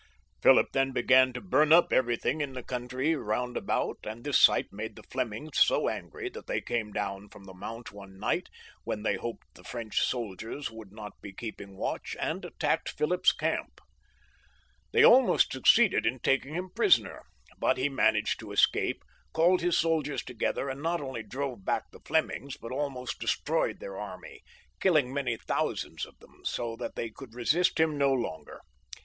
Philip then began to burn up everything in the country 154 PHILIP VL [CH. I ■ I ■■■■■■■■'■■— ll ■■■■■■■■■■.^■■■ I I ■■■ M^^M^^I ■■■ 1^ ■■■■■■ »M ■■ M ■■ round about, and this sight made the Flemings so angry that they came down from the mount one night, when they hoped the French soldiers would not be keeping watch, and attacked Philip's camp. They almost succeeded in taking him prisoner, but he managed to escape, called his soldiers together, and not only drove back the Flemings, but almost destroyed their army, killing many thousands of them, so that they could resist him no longer.